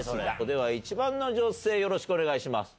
では１番の女性よろしくお願いします。